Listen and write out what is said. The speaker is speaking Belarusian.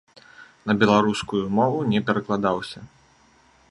На беларускую мову не перакладаўся.